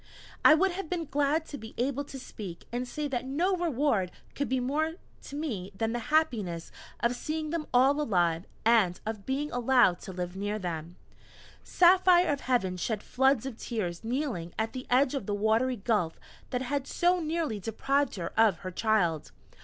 I would have been glad to be able to speak, and say that no reward could be more to me than the happiness of seeing them all alive, and of being allowed to live near them. Saphire of Heaven shed floods of tears kneeling at the edge of the watery gulf that had so nearly deprived her of her child.